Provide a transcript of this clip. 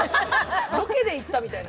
ロケで行ったみたいな。